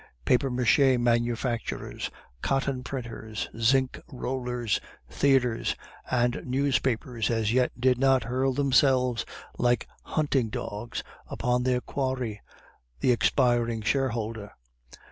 "Paper mache manufacturers, cotton printers, zinc rollers, theatres, and newspapers as yet did not hurl themselves like hunting dogs upon their quarry the expiring shareholder.